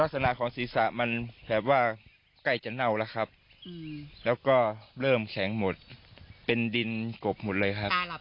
ลักษณะของศีรษะมันแบบว่าใกล้จะเน่าแล้วครับแล้วก็เริ่มแข็งหมดเป็นดินกบหมดเลยครับ